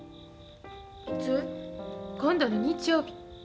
いつ？今度の日曜日。